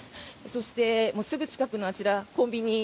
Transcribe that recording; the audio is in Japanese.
そして、すぐ近くのあちら、コンビニ。